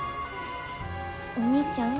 お兄ちゃん？